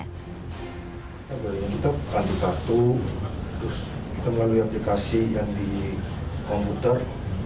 kita beri yang kita kartu kartu terus kita melalui aplikasi yang di komputer